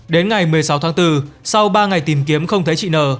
đến ngày một mươi sáu tháng bốn sau ba ngày tìm kiếm không thấy chị n